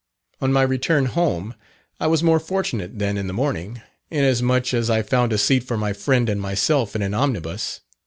On my return home I was more fortunate than in the morning, inasmuch as I found a seat for my friend and myself in an omnibus.